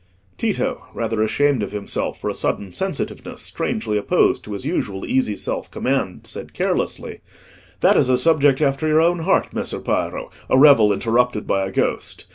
Tito, rather ashamed of himself for a sudden sensitiveness strangely opposed to his usual easy self command, said carelessly— "That is a subject after your own heart, Messer Piero—a revel interrupted by a ghost.